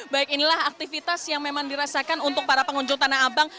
baik inilah aktivitas yang memang dirasakan untuk para pengunjung tanah abang